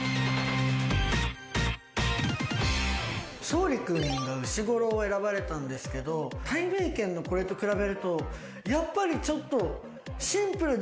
勝利君がうしごろを選ばれたんですけどたいめいけんのこれと比べるとやっぱりちょっと。